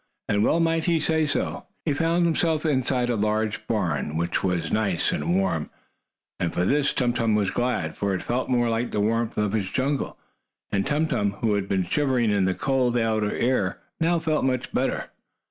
And well might he say so. He found himself inside a large barn, which was nice and warm, and for this Tum Tum was glad, for it felt more like the warmth of his jungle, and Tum Tum, who had been shivering in the cold, outer air, now felt much better.